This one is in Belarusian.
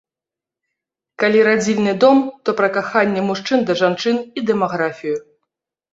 Калі радзільны дом, то пра каханне мужчын да жанчын і дэмаграфію.